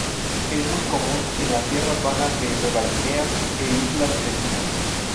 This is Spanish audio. Es muy común en las tierras bajas de Nueva Guinea e islas vecinas.